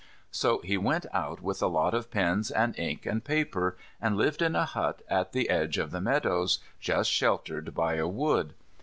So he went out with a lot of pens and ink and paper, and lived in a hut at the edge of the meadows, just sheltered by a wood.